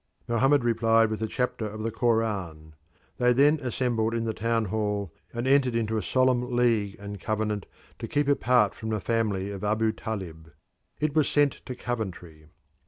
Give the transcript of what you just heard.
Mohammed replied with a chapter of the Koran. They then assembled in the town hall and entered into a solemn league and covenant to keep apart from the family of Abu Talib. It was sent to Coventry.